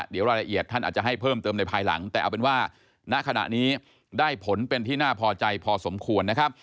เดี๋ยวรายละเอียดท่านอาจจะให้เพิ่มเติมในภายหลังแต่เอาเป็นว่าณขณะนี้ได้ผลเป็นที่น่าพอใจพอสมควรนะครับ